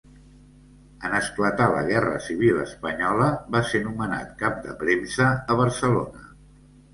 En esclatar la Guerra Civil espanyola va ser nomenat cap de premsa a Barcelona.